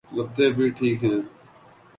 لگتے بھی ٹھیک ہیں۔